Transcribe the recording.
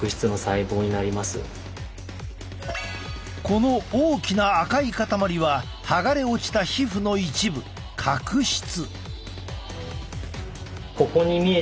この大きな赤い塊は剥がれ落ちた皮膚の一部角質。